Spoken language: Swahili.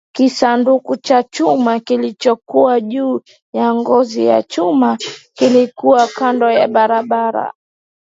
Kisanduku cha chuma kilichokuwa juu ya nguzo ya chuma kilikuwa kando ya barabara